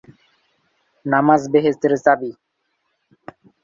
তখন এটি ছিল ব্যক্তিমালিকানাধীন।